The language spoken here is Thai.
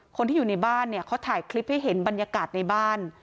คนที่อยู่ในบ้านเนี่ยเขาถ่ายคลิปให้เห็นบรรยากาศในบ้าน